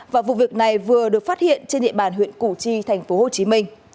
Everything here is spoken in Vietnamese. và vụ việc này vừa được phát hiện trên địa bàn huyện củ chi tp hcm